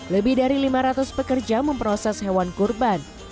lebih dari lima ratus pekerja memproses hewan kurban